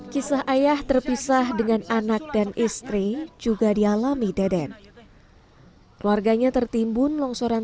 kisah ayah terpisah dengan anak dan istri juga dialami deden keluarganya tertimbun longsoran